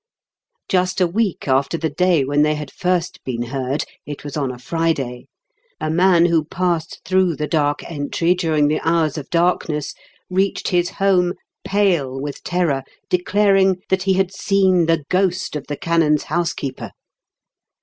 Just a week after the day when they had first been heard — it was on a Friday — a man who passed through the Dark Entry during the hours of darkness reached his home pale with terror, declaring that he had seen the ghost of the canon's housekeeper.